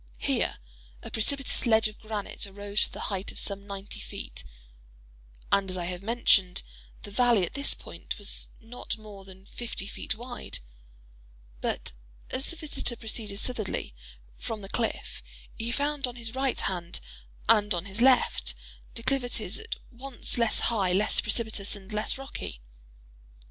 Here a precipitous ledge of granite arose to a height of some ninety feet; and, as I have mentioned, the valley at this point was not more than fifty feet wide; but as the visitor proceeded southwardly from the cliff, he found on his right hand and on his left, declivities at once less high, less precipitous, and less rocky.